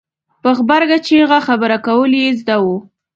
په غبرګه چېغه خبره کول یې زده وو.